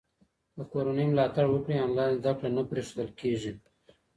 که کورنۍ ملاتړ وکړي، انلاین زده کړه نه پرېښودل کېږي.